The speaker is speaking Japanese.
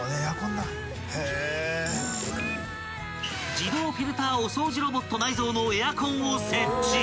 ［自動フィルターお掃除ロボット内蔵のエアコンを設置］